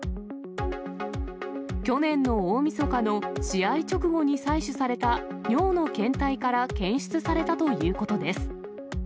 去年の大みそかの試合直後に採取された尿の検体から検出されたということです。